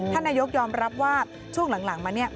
นายกยอมรับว่าช่วงหลังมาเนี่ย